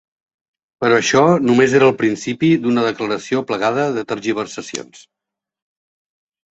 Però això només era el principi d’una declaració plagada de tergiversacions.